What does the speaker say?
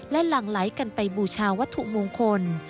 และหลั่งไหลกันไปบูชาวัตถุมงคล